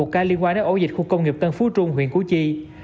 một ca liên quan đến ổ dịch khu công nghiệp tân phú trung huyện củ chi